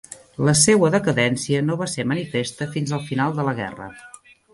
La seua decadència no va ser manifesta fins al final de la guerra.